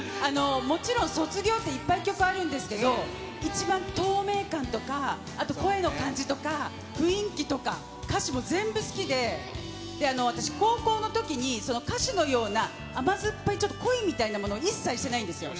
もちろん卒業って曲、いっぱいあるんですけど、一番透明感とか、あと声の感じとか、雰囲気とか、歌詞も全部好きで、で、私、高校のときに、歌手のような甘酸っぱいちょっと恋みたいなもの、一切してないんですよ。